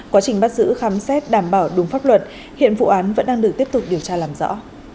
quá trình bắt giữ khám xét đảm bảo đúng pháp luật hiện vụ án vẫn đang được tiếp tục điều tra làm rõ